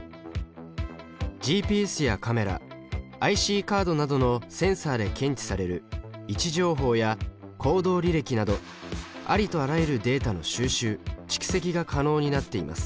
ＧＰＳやカメラＩＣカードなどのセンサーで検知される位置情報や行動履歴などありとあらゆるデータの収集・蓄積が可能になっています。